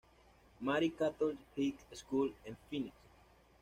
Mary's Catholic High School en Phoenix.